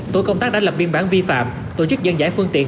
tổ công tác đã lập biên bản vi phạm tổ chức dân giải phương tiện